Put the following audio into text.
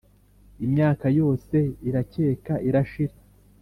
imyaka yose irakeka irashira.